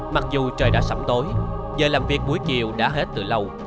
mặc dù trời đã sắm tối giờ làm việc buổi chiều đã hết từ lâu